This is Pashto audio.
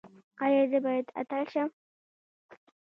ایا زه باید اتل شم؟